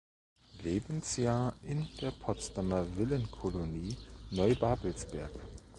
Lebensjahr in der Potsdamer Villenkolonie Neubabelsberg.